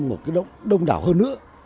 một cái động đông đảo hơn nữa